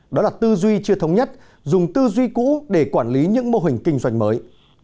đó là tư duy chưa thống nhất dùng tư duy cũ để quản lý những mô hình kinh doanh mới